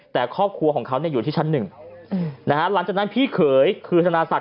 แต่ครอบครัวของเขาอยู่ที่ชั้นหนึ่งนะฮะหลังจากนั้นพี่เขยคือธนาศักด